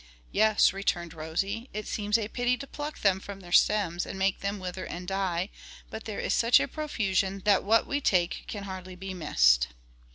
"Yes," returned Rosie, "it seems a pity to pluck them from their stems and make them wither and die; but there is such a profusion that what we take can hardly be missed."